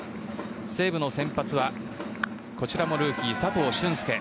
西武の先発はこちらもルーキー、佐藤隼輔。